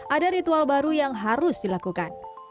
ada ritual baru yang harus dilakukan